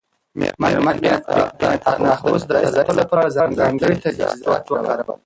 مېرمن بینتهاوس د فضایي سفر لپاره ځانګړي تجهیزات وکارول.